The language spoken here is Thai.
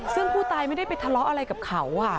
ซึ่งผู้ตายไม่ได้ไปทะเลาะอะไรกับเขา